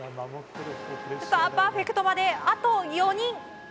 パーフェクトまで、あと４人。